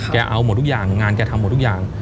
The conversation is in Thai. เอาหมดทุกอย่างงานแกทำหมดทุกอย่าง